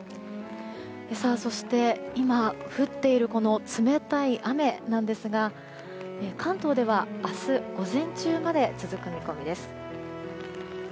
そして、今、降っているこの冷たい雨なんですが関東では明日午前中まで続く見込みです。